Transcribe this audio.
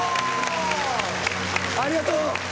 ありがとう！